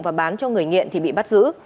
và bán cho người nghiện thì bị bắt giữ